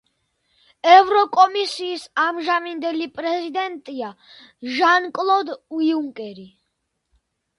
ევროკომისიის ამჟამინდელი პრეზიდენტია ჟან-კლოდ იუნკერი.